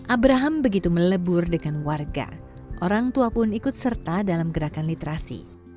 abraham begitu melebur dengan warga orang tua pun ikut serta dalam gerakan literasi